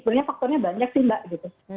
sebenarnya faktornya banyak sih mbak gitu